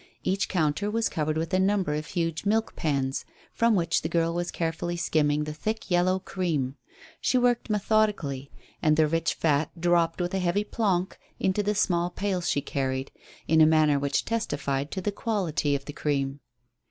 Each counter was covered with a number of huge milk pans, from which the girl was carefully skimming the thick, yellow cream. She worked methodically; and the rich fat dropped with a heavy "plonk" into the small pail she carried, in a manner which testified to the quality of the cream.